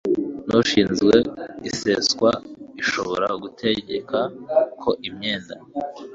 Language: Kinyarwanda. n ushinzwe iseswa ishobora gutegeka ko imyenda